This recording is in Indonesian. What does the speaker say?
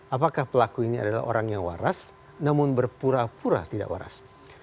apakah pelaku ini adalah orang yang waras namun berpura pura tidak waras